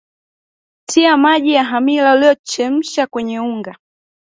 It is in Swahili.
tia maji ya hamira uliyochachusha kwenye unga